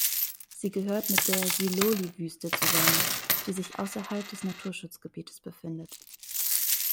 Sie gehört mit der Siloli-Wüste zusammen, die sich außerhalb des Naturschutzgebietes befindet.